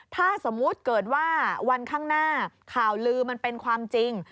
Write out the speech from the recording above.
ถ้าสมมุติเกิดว่าวันข้างหน้าข่าวลือมันเป็นความจริง